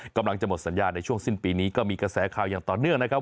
กำลังจะหมดสัญญาในช่วงสิ้นปีนี้ก็มีกระแสข่าวอย่างต่อเนื่องนะครับ